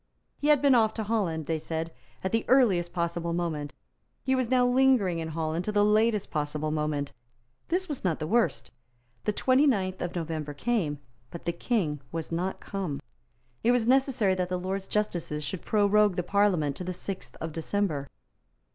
He had been off to Holland, they said, at the earliest possible moment. He was now lingering in Holland till the latest possible moment. This was not the worst. The twenty ninth of November came; but the King was not come. It was necessary that the Lords Justices should prorogue the Parliament to the sixth of December.